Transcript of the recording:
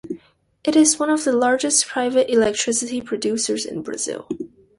It is one of the largest private electricity producers in Brazil.